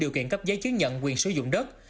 điều kiện cấp giấy chứng nhận quyền sử dụng đất